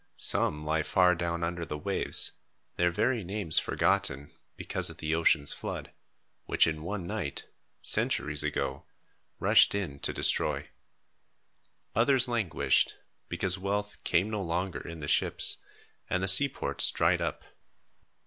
Some lie far down under the waves, their very names forgotten, because of the ocean's flood, which in one night, centuries ago, rushed in to destroy. Others languished, because wealth came no longer in the ships, and the seaports dried up.